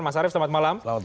mas arief selamat malam